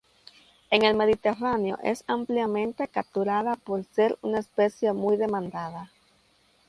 En el Mediterráneo, es ampliamente capturada por ser una especie muy demandada.